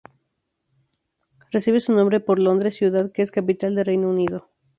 Recibe su nombre por Londres, ciudad que es capital de Reino Unido.